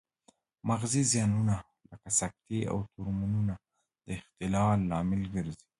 مغزي زیانونه لکه سکتې او تومورونه د اختلال لامل ګرځي